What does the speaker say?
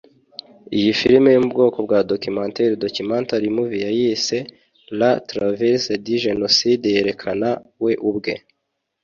Iyi film yo mu bwoko bwa documentaire/documentary movie yayise ”la traversée du génocide” yerekana we ubwe